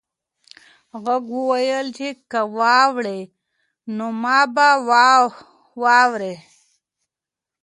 غږ وویل چې که واوړې نو ما به واورې.